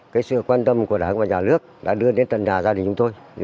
cái sự quan tâm của đảng và nhà nước đã đưa đến tận đà gia đình chúng tôi